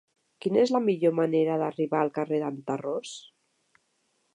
Quina és la millor manera d'arribar al carrer d'en Tarròs?